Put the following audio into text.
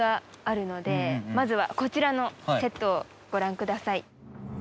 まずはこちらのセットをご覧ください。